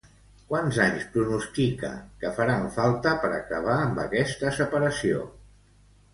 Quants anys pronostica que faran falta per acabar amb aquesta separació?